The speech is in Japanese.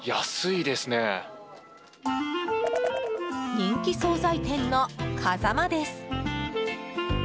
人気総菜店の、かざまです。